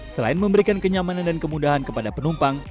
selain memberikan kenyamanan dan kemudahan kepada penumpang